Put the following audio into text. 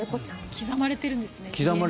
刻まれてるんですね。